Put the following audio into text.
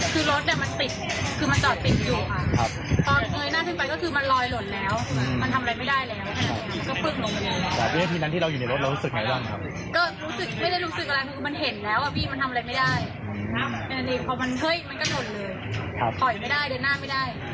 คุณผู้ชมเลยเผาอีกไม่ได้เดินหน้าไม่ได้